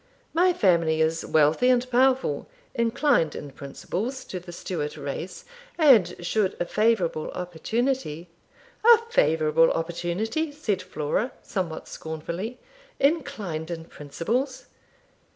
My family is wealthy and powerful, inclined in principles to the Stuart race, and should a favourable opportunity ' 'A favourable opportunity!' said Flora somewhat scornfully. 'Inclined in principles!